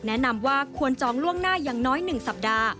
แนะนำว่าควรจองล่วงหน้าอย่างน้อย๑สัปดาห์